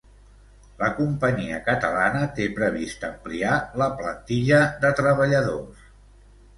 La companyia catalana té previst ampliar la plantilla de treballadors.